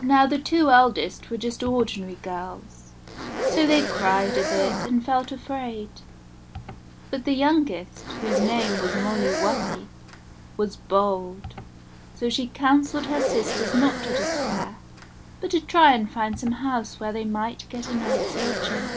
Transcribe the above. Now the two eldest were just ordinary girls, so they cried a bit and felt afraid ; but the youngest, whose name was Molly Whuppie, was bold, so she counselled her sisters not to despair, but to try and find some house where they might get a night's lodging.